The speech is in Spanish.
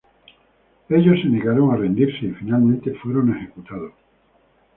Ellos se negaron a rendirse y, finalmente, fueron ejecutados.